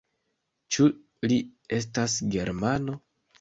Ĉu li estas germano?